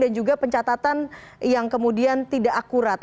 dan juga pencatatan yang kemudian tidak akurat